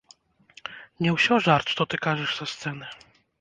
Не ўсё жарт, што ты кажаш са сцэны?